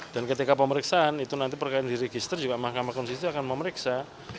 dan ketika pemeriksaan itu nanti perkara yang diregister juga mk akan memeriksa